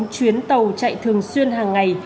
bốn chuyến tàu chạy thường xuyên hàng ngày